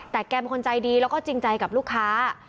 แต่แกเป็นคนใจดีแล้วก็จริงใจกับลูกค้า